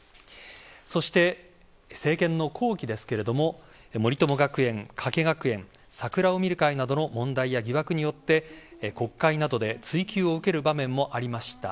そして政権の後期ですが森友学園、加計学園桜を見る会などの問題や疑惑によって国会などで追及を受ける場面もありました。